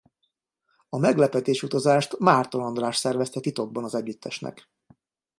A meglepetés utazást Márton András szervezte titokban az együttesnek.